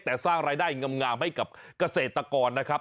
แต่สร้างรายได้งามให้กับเกษตรกรนะครับ